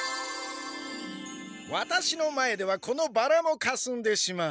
ワタシの前ではこのバラもかすんでしまう。